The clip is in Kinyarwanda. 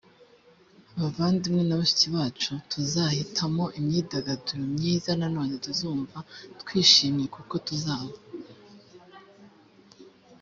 bavandimwe na bashiki bacu tuzahitamo imyidagaduro myiza nanone tuzumva twishimye kuko tuzaba